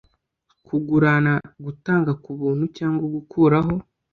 kugurana gutanga ku buntu cyangwa gukuraho